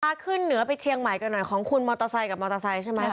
ขึ้นเหนือไปเชียงใหม่กันหน่อยของคุณมอเตอร์ไซค์กับมอเตอร์ไซค์ใช่ไหม